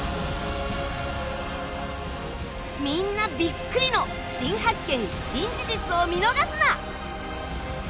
みんなビックリの新発見・新事実を見逃すな！